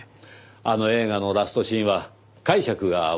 あの映画のラストシーンは解釈が分かれますよね。